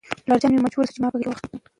پلارجان مې مجبور شو چې ما په غېږ کې واخلي.